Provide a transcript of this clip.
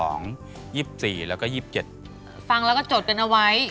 ฟังแล้วก็จดกันเอาไว้